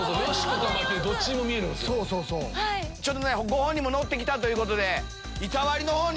ご本人もノッてきたということで。